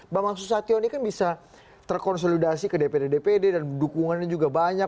bambang susatyo ini kan bisa terkonsolidasi ke dpd dpd dan dukungannya juga banyak